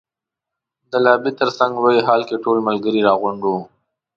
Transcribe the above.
د لابي تر څنګ لوی هال کې ټول ملګري را غونډ وو.